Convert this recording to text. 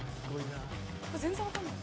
全然わかんない。